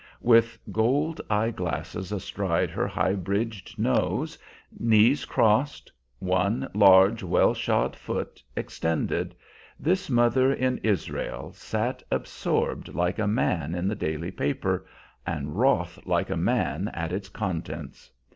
With gold eye glasses astride her high bridged nose, knees crossed, one large, well shod foot extended, this mother in Israel sat absorbed like a man in the daily paper, and wroth like a man at its contents.